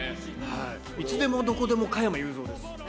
いつでもどこでも加山雄三です。